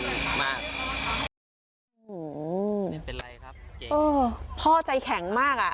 อู๋พ่อใจแข็งมากค่ะ